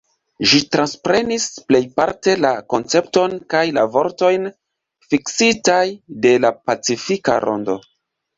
Ĝi transprenis plejparte la koncepton kaj la vortojn fiksitaj de la pacifika rondo.